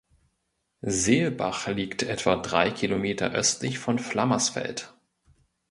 Seelbach liegt etwa drei Kilometer östlich von Flammersfeld.